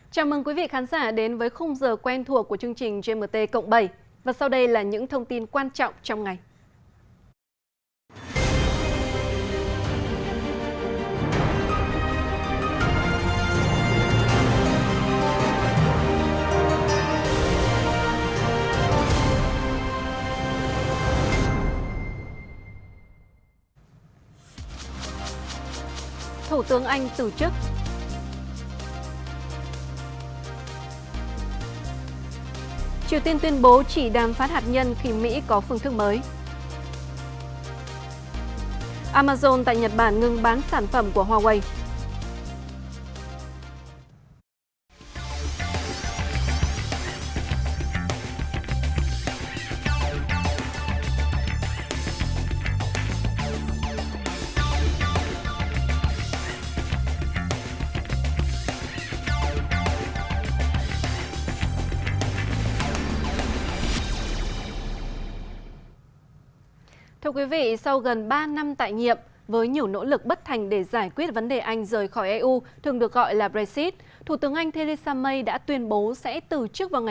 chào mừng quý vị khán giả đến với không giờ quen thuộc của chương trình gmt cộng bảy